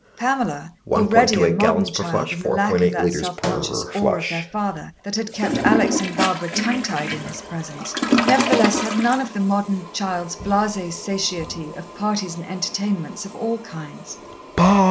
Pamela, already a modern child in the lack of that self conscious awe of their father that had kept Alex and Barbara tongue tied in his presence, nevertheless, had none of the modern child's blasé satiety of parties and entertainments of all kinds.